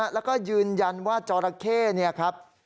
แล้วก็ยืนยันว่าจอราเข้เนี่ยครับ